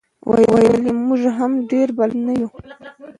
ویل یې موږ هم ډېر بلد نه یو.